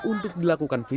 untuk dilaporkan ke buaya